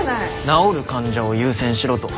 治る患者を優先しろと。